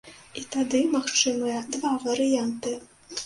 І тады магчымыя два варыянты.